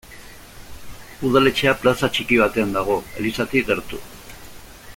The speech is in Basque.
Udaletxea plaza txiki batean dago, elizatik gertu.